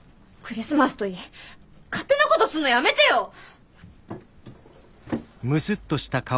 クリスマスといい勝手なことすんのやめてよ！